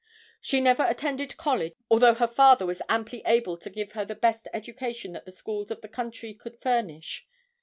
She never attended college although her father was amply able to give her the best education that the schools of the country could furnish.